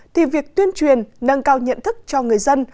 thì việc tuyên truyền nâng cao nhận thức cho người dân